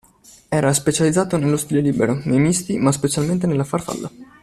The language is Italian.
Era specializzato nello stile libero, nei misti, ma specialmente nella farfalla.